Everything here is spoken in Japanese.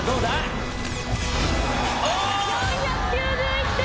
４９１点。